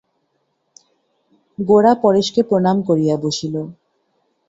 গোরা পরেশকে প্রণাম করিয়া বসিল।